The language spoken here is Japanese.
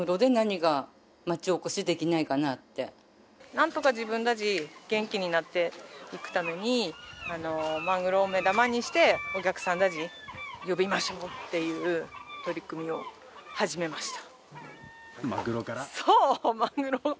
なんとか自分たち元気になっていくためにマグロを目玉にしてお客さんたち呼びましょうっていう取り組みを始めました。